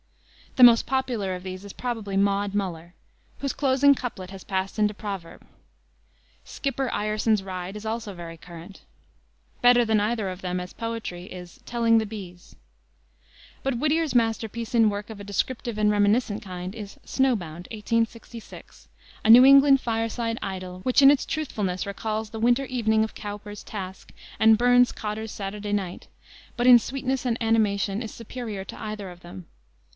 The most popular of these is probably Maud Muller, whose closing couplet has passed into proverb. Skipper Ireson's Ride is also very current. Better than either of them, as poetry, is Telling the Bees. But Whittier's masterpiece in work of a descriptive and reminiscent kind is Snow Bound, 1866, a New England fireside idyl which in its truthfulness recalls the Winter Evening of Cowper's Task and Burns's Cotter's Saturday Night, but in sweetness and animation is superior to either of them.